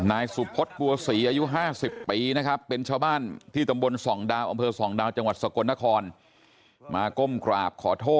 อายุ๗๔แล้วนะครับ